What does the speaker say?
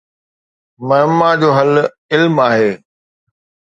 معما جو حل علم آهي